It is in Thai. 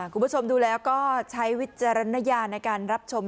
คุณผู้ชมดูแล้วก็ใช้วิจารณญาณในการรับชม